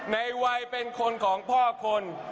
ในวัยเป็นคนของพ่อคน